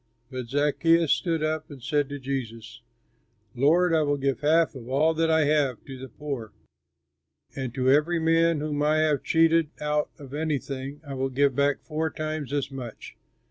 But Zaccheus stood up and said to Jesus, "Lord, I will give half of all that I have to the poor; and to every man whom I have cheated out of anything I will give back four times as much."